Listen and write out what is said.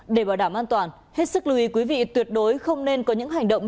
để bảo đảm an toàn hết sức lưu ý quý vị tuyệt đối không nên có những hành động